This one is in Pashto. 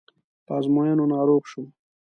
په ازموینو ناروغ شو.